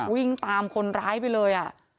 วิ่งตามคนร้ายไปเลย